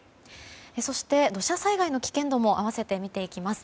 そして、土砂災害の危険度も併せて見ていきます。